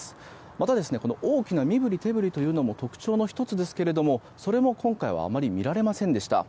また、大きな身振り手振りも特徴の１つですがそれも、今回はあまり見られませんでした。